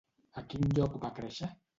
A quin lloc va créixer?